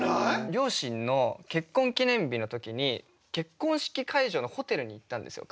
両親の結婚記念日の時に結婚式会場のホテルに行ったんですよ